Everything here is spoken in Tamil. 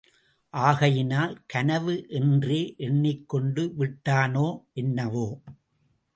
ஆகையினால் கனவு என்றே எண்ணிக் கொண்டு விட்டானோ என்னவோ?